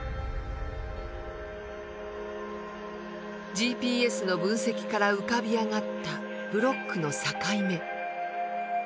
ＧＰＳの分析から浮かび上がったブロックの境目。